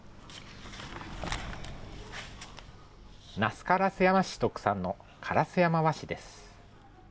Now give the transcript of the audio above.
那須烏山市特産の烏山和紙です。